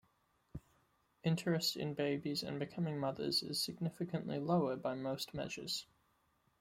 Interest in babies and becoming mothers is significantly lower by most measures.